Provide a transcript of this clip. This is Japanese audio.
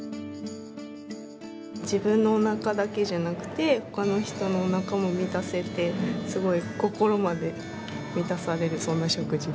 自分のお腹だけじゃなくてほかの人のお腹も満たせてすごい心まで満たされるそんな食事です。